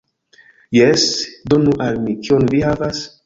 Jes, donu al mi. Kion vi havas?